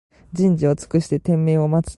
じんじをつくしててんめいをまつ